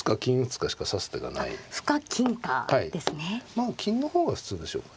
まあ金の方が普通でしょうかね。